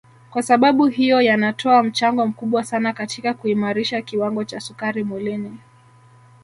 Kwasababu hiyo yanatoa mchango mkubwa sana katika kuimarisha kiwango cha sukari mwilini